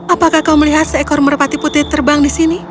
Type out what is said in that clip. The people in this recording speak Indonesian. apakah kau melihat seekor merpati putih terbang di sini